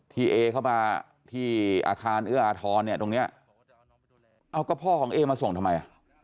เอเข้ามาที่อาคารเอื้ออาทรเนี่ยตรงเนี้ยเอ้าก็พ่อของเอมาส่งทำไม